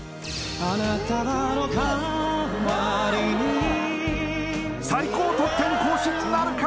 花束のかわりに最高得点更新なるか！？